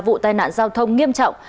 đã xảy ra vụ tai nạn giao thông nghiêm trọng